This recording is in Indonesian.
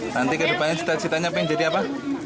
nanti ke depannya ceritanya apa yang jadi apa